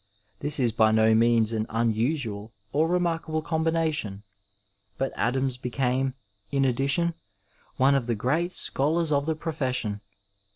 This Lb by no means an unusual or remarkable combination, but Adams became, in addition, one of the great scholars of the profession.